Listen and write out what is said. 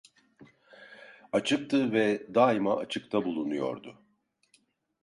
Açıktı ve daima açıkta bulunuyordu.